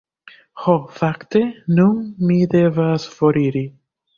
"Ho fakte, nun mi devas foriri."